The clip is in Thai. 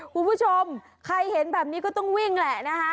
คุณผู้ชมใครเห็นแบบนี้ก็ต้องวิ่งแหละนะคะ